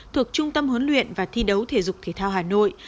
thuộc trung tâm huấn luyện và thi đấu thể dục thể thao hà nội